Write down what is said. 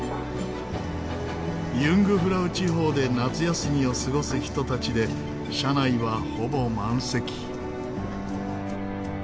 ユングフラウ地方で夏休みを過ごす人たちで車内はほぼ満席。